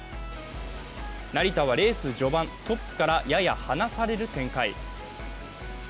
成田はレース序盤、トップからやや離される展開。